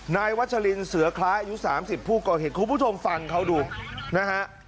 นายวัชลินเสือคล้ายุ๓๐ผู้ก่อเหตุครูพุทธงฟังเขาดูนะฮะ